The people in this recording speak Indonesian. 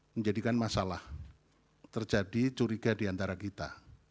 menjadikan masalah terjadi curiga di antara kita